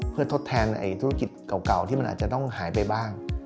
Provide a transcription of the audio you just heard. เพื่อทดแทนธุรกิจเก่าที่มันอาจจะต้องหายไปบ้าง